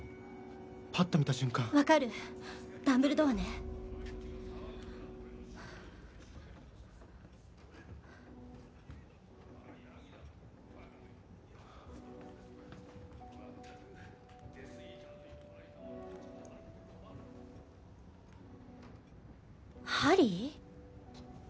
パッと見た瞬間分かるダンブルドアねハリー？